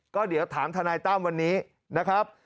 ก็เดี๋ยวถามทนายตั้มวันนี้นะครับ